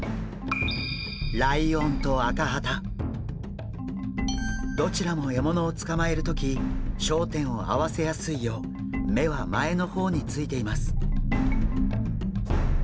ライオンとアカハタどちらも獲物をつかまえる時焦点を合わせやすいよう目は前の方についています。